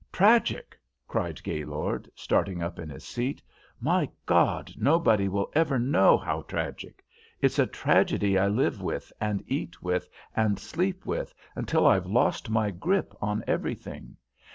"Tragic!" cried Gaylord, starting up in his seat, "my God, nobody will ever know how tragic! It's a tragedy I live with and eat with and sleep with, until I've lost my grip on everything.